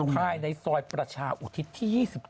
ครับ